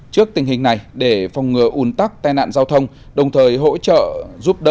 trước tình hình này để phòng ngừa ủn tắc tai nạn giao thông đồng thời hỗ trợ giúp đỡ